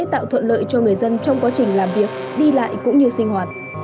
trong quá trình làm việc đi lại cũng như sinh hoạt